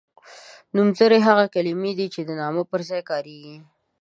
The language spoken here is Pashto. نومځری هغه کلمه ده چې د نامه پر ځای کاریږي.